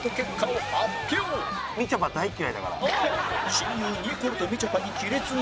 親友ニコルとみちょぱに亀裂が？